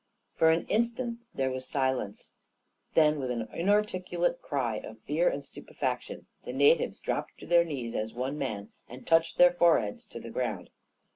For an instant there was silence. Then, with an inarticulate cry of fear and stupefaction, the natives dropped to their knees as one man and touched their foreheads to the ground.